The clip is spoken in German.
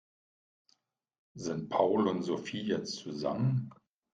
Sind Paul und Sophie jetzt zusammen?